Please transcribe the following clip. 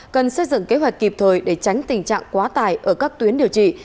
cần xây dựng kế hoạch kịp thời để tránh tình trạng quá tải ở các tuyến điều trị